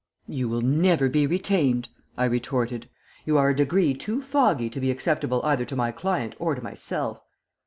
"'You will never be retained,' I retorted. 'You are a degree too foggy to be acceptable either to my client or to myself.'